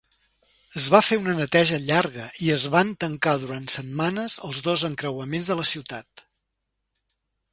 Es va fer una neteja llarga i es van tancar durant setmanes els dos encreuaments de la ciutat.